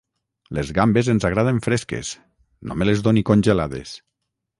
Les gambes ens agraden fresques; no me les doni congelades.